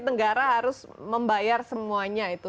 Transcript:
negara harus membayar semuanya itu